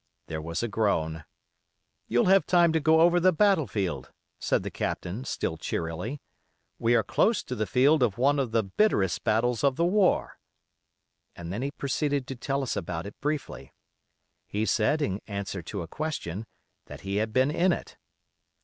There was a groan. 'You'll have time to go over the battle field,' said the Captain, still cheerily. 'We are close to the field of one of the bitterest battles of the war.' And then he proceeded to tell us about it briefly. He said, in answer to a question, that he had been in it.